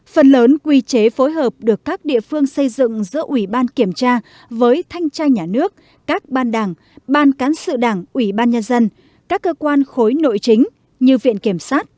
phần lớn quy chế phối hợp được các địa phương xây dựng giữa ủy ban kiểm tra với thanh tra nhà nước các ban đảng ban cán sự đảng ủy ban nhân dân các cơ quan khối nội chính như viện kiểm sát